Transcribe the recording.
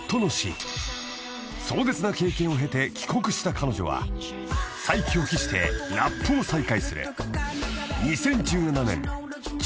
［壮絶な経験を経て帰国した彼女は再起を期してラップを再開する］